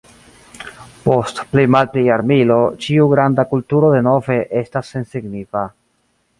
Post pli-malpli jarmilo ĉiu granda kulturo denove estas sensignifa.